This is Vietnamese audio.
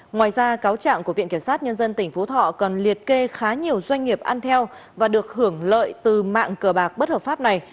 ngoài ra cáo trạng của viện kiểm sát nhân dân tỉnh phú thọ còn liệt kê khá nhiều doanh nghiệp ăn theo và được hưởng lợi từ mạng cờ bạc bất hợp pháp này